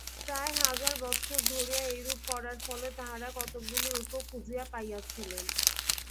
প্রায় হাজার বৎসর ধরিয়া এইরূপ করার ফলে তাঁহারা কতকগুলি ঐক্য খুঁজিয়া পাইয়াছিলেন।